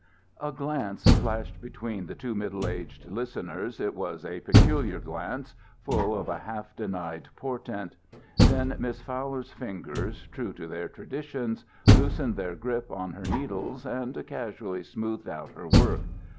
A glance flashed between the two middle aged listeners. It was a peculiar glance, full of a half denied portent. Then Miss Fowler's fingers, true to their traditions, loosened their grip on her needles and casually smoothed out her work.